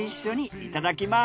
いただきます。